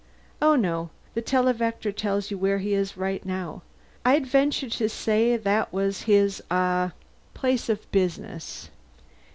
"Oh, no. The televector tells you where he is right now. I'd venture to say that was his ah place of business."